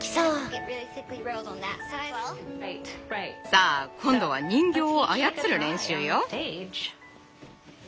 さあ今度は人形を操る練習よ。